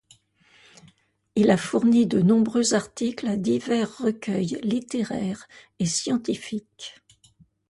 Il a fourni de nombreux articles à divers recueils littéraires et scientifiques.